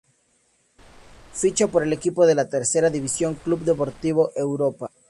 Ficha por el equipo de la Tercera División, Club Deportivo Europa.